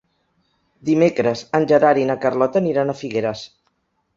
Dimecres en Gerard i na Carlota aniran a Figueres.